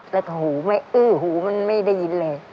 แต่กะหูไม่อหูมันไม่ได้ยินเลย